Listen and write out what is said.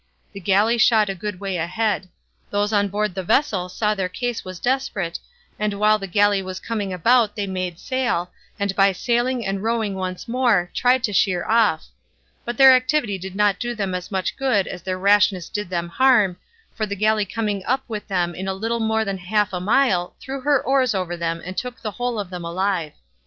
The galley shot a good way ahead; those on board the vessel saw their case was desperate, and while the galley was coming about they made sail, and by sailing and rowing once more tried to sheer off; but their activity did not do them as much good as their rashness did them harm, for the galley coming up with them in a little more than half a mile threw her oars over them and took the whole of them alive.